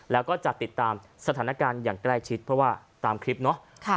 แล้วก็จะติดตามสถานการณ์อย่างใกล้ชิดเพราะว่าตามคลิปเนาะ